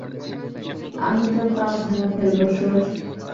আমি তোর পা ভেঙ্গে ফেলব, শুয়োর।